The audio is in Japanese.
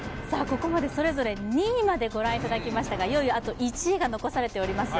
ここまでそれぞれ２位までご覧いただきましたがいよいよあと１位が残されております